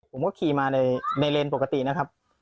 ผมก็ขี่มาในเลนส์ปกตินะครับ